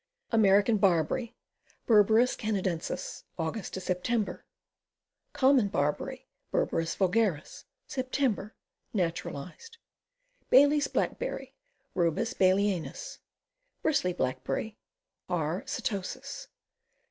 American Barberry. Berberis Canadensis. Aug. Sep. Common Barberry. Berberis vulgaris. Sep. Naturalized. Bailey's Blackberry. Rubus Baileyanus. Bristly Blackberry. R. setosus.